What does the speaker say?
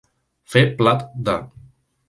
Fer plat de.